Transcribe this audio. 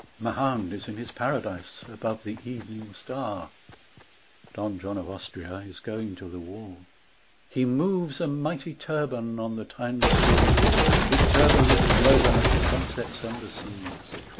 Mahound is in his paradise above the evening star, (Don John of Austria is going to the war.) He moves a mighty turban on the timeless houri's knees, His turban that is woven of the sunsets and the seas.